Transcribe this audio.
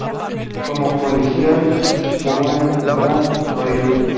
Como colegial jugo en Central Florida.